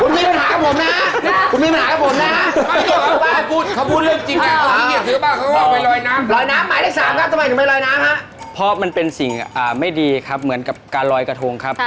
มีได้รับทางเมื่อที่ต่อไปนะครับของให้ทุกคนเล่นกับเพื่อนอริยีเล่นครับ